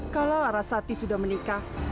kalau nara sati sudah menikah